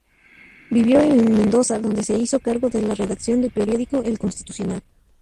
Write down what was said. Vivió en Mendoza, donde se hizo cargo de la redacción del periódico "El Constitucional".